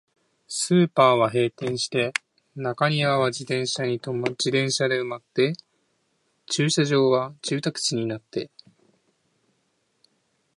スーパーは閉店して、中庭は自転車で埋まって、駐車場は住宅地になって、